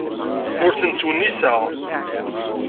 Ur ten-ttwenniseɣ.